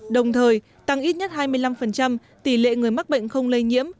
đồng thời tăng ít nhất hai mươi năm tỷ lệ người mắc bệnh không lây nhiễm